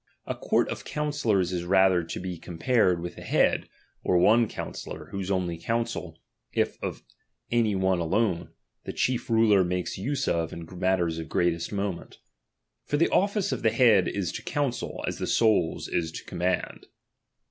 A court of counsellors is rather to be compared with the head, or one counsellor, whose only counsel (if of any one alone) the chief ruler makes use of in matters of greatest moment : for the office of the head is to counsel, as the soul's is to command.